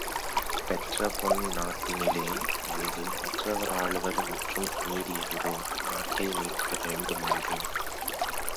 பெற்றபொன் னாட்டினிலே வந்து மற்றவர் ஆளுவது முற்றும் அநீதியன்றோ? நாட்டை மீட்க வேண்டுமன்றோ?